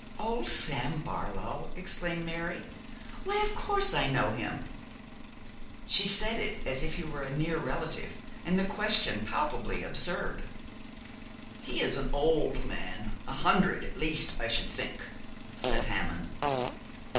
'Old Sam Barlow,' exclaimed Mary; 'why, of course I know him.' She said it as if he were a near relative, and the question palpably absurd. 'He is an old man, a hundred, at least, I should think,' said Hammond.